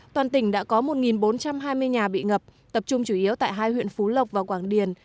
toàn tỉnh đã có một bốn trăm hai mươi nhà bị ngập tập trung chủ yếu tại hai huyện phú lộc và quảng điền